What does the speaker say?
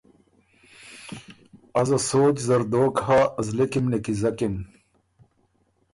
ازه سوچ زر دوک هۀ زلی کی م نیکیزکِن۔